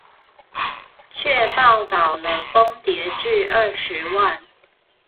卻報導了崩跌至二十萬